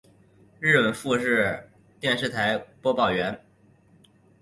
日本富士电视台播报员。